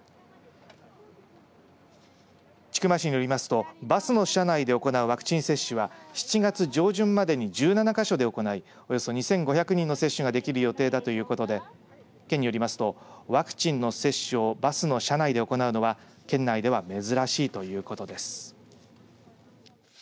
千曲市によりますとバスの車内で行うワクチン接種は７月上旬までに１７か所で行いおよそ２５００人の接種ができる予定だということで県によりますとワクチンの接種をバスの車内で行うのは県内では珍しいということです。